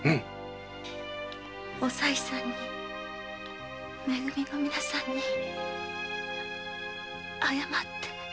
おさいさんに「め組」の皆さんに謝って。